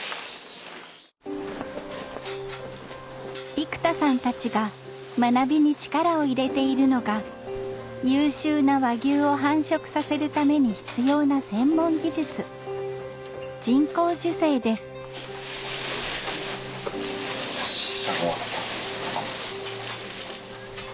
生田さんたちが学びに力を入れているのが優秀な和牛を繁殖させるために必要な専門技術人工授精ですよっしゃ